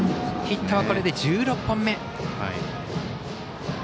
ヒットはこれで１６本目。